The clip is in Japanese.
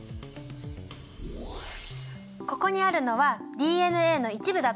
ここにあるのはＤＮＡの一部だと思ってね。